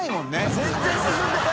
全然進んでない！